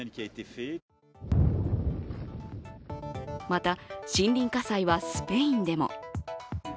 また、森林火災はスペインでも。